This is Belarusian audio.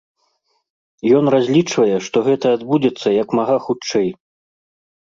Ён разлічвае, што гэта адбудзецца як мага хутчэй.